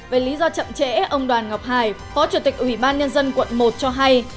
về lý do chậm trễ ông đoàn ngọc hải phó chủ tịch ủy ban nhân dân quận một cho hay